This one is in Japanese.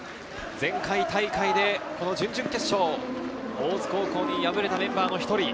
前回大会でこの準々決勝、大津高校に敗れたメンバーの１人。